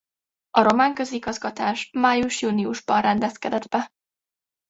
A román közigazgatás május–júniusban rendezkedett be.